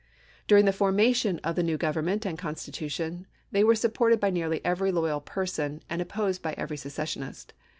During the formation of the new government and constitution they were supported by nearly every loyal person, and opposed by every secessionist.